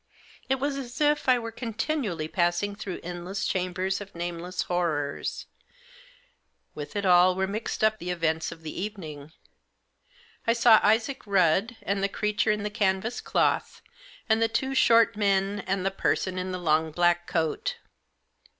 It was as if I were continually passing through endless chambers of nameless horrors. With it all were mixed up the Digitized by Google 28 THE JOSS. events of the evening. I saw Isaac Rudd, and the creature in the canvas cloth, and the two short men, and the person in the long black coat.